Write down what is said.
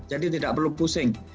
jadi tidak perlu pusing